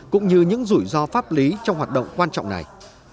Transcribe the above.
cũng như những rủi ro pháp lý trong hoạt động quan trọng này